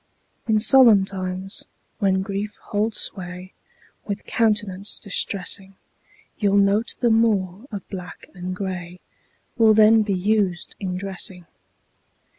In solemn times, when grief holds sway With countenance distressing, You'll note the more of black and gray Will then be used in dressing.